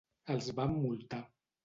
Els van multar.